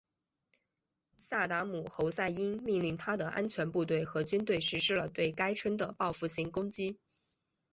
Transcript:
萨达姆侯赛因命令他的安全部队和军队实施了对该村的报复性攻击。